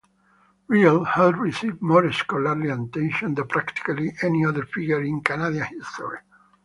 Riel has received more scholarly attention than practically any other figure in Canadian history.